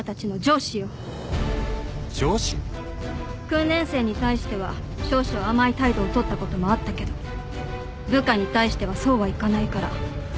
訓練生に対しては少々甘い態度を取ったこともあったけど部下に対してはそうはいかないから。